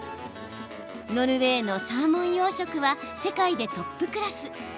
ノルウェーのサーモン養殖は世界でトップクラス。